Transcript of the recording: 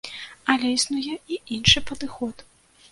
Але існуе і іншы падыход.